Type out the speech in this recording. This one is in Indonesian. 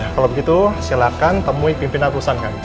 kalau begitu silahkan temui pimpinan perusahaan kami